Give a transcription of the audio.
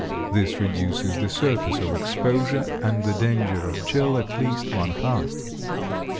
This reduces the surface of exposure and the danger of chill at least one half.